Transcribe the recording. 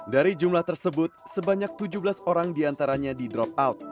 dari jumlah tersebut sebanyak tujuh belas orang diantaranya di drop out